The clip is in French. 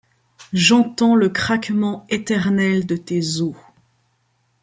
J’entends le craquement éternel de tes os.